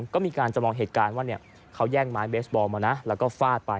ก็มีการจำลองเหตุการณ์ว่าเขาแย่งไม้เบสบอลมานะแล้วก็ฟาดไป